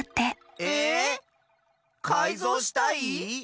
ええっ⁉かいぞうしたい？